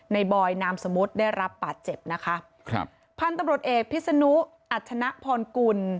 บอยนามสมมุติได้รับบาดเจ็บนะคะครับพันธุ์ตำรวจเอกพิษนุอัชนะพรกุล